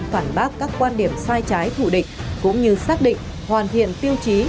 phản bác các quan điểm sai trái thủ địch cũng như xác định hoàn thiện tiêu chí